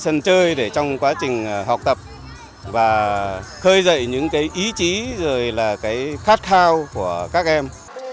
sân chơi để trong quá trình học tập và khơi dậy những cái ý chí rồi là cái khát khao của các em